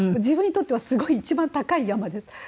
自分にとってはすごい一番高い山です。